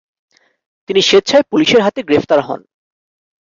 তিনি স্বেচ্ছায় পুলিশের হাতে গ্রেফতার হন।